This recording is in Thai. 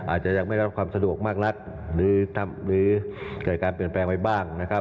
อาจจะยังไม่ได้รับความสะดวกมากนักหรือเกิดการเปลี่ยนแปลงไปบ้างนะครับ